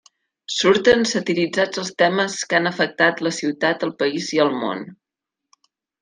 Surten satiritzats els temes que han afectat la ciutat, el país i el món.